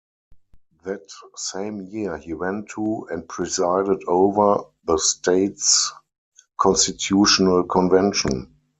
That same year he went to, and presided over, the state's constitutional convention.